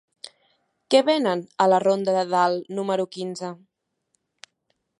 Què venen a la ronda de Dalt número quinze?